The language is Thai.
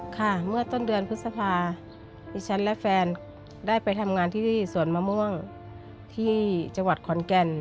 ค่ะเมื่อต้นเดือนพฤษภาดิฉันและแฟนได้ไปทำงานที่สวนมะม่วงที่จังหวัดขอนแก่น